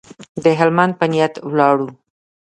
د هلمند په نیت ولاړو.